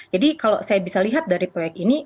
jadi kalau saya bisa lihat dari proyek ini